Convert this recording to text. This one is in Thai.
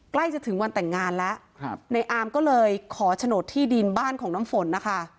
ใกล้จะถึงวันแต่งงานแล้วในอามก็เลยขอโฉนดที่ดินบ้านของน้ำฝนนะคะ